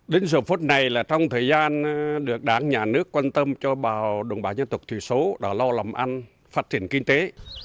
đến giờ phút này là trong thời gian được đảng nhà nước quan tâm cho bà đồng bà nhân tục thủy số đòi lo lòng ăn phát triển kinh tế